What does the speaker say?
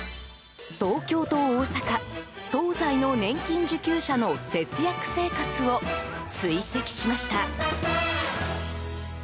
東京と大阪東西の年金受給者の節約生活を追跡しました。